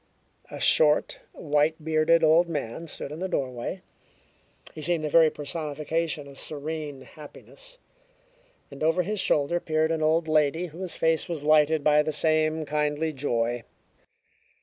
A short, white bearded old man stood in the doorway. He seemed the very personification of serene happiness, and over his shoulder peered an old lady whose face was lighted by the same kindly joy.